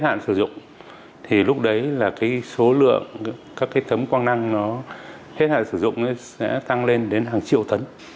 hạn sử dụng thì lúc đấy là cái số lượng các cái tấm quang năng nó hết hạn sử dụng sẽ tăng lên đến hàng triệu tấn